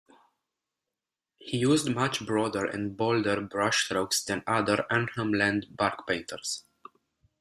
He used much broader and bolder brushstrokes than other Arnhem Land bark painters.